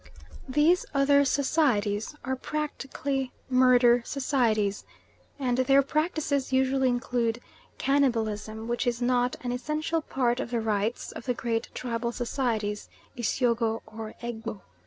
These other societies are practically murder societies, and their practices usually include cannibalism, which is not an essential part of the rites of the great tribal societies, Isyogo or Egbo.